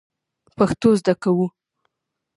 پښتو زده کوو